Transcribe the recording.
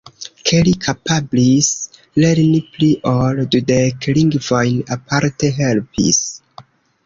Ke li kapablis lerni pli ol dudek lingvojn aparte helpis.